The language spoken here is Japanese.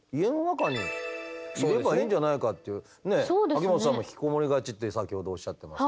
秋元さんも引きこもりがちって先ほどおっしゃってましたけど。